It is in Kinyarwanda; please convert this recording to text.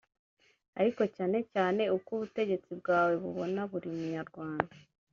ariko cyane cyane uko ubutegetsi bwawe bubona buri munyarwanda